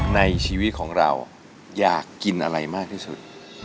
ในชีวิตของเราอยากกินอะไรมากที่สุด